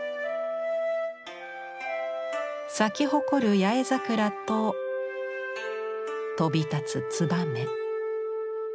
咲き誇る八重桜と飛び立つつばめ。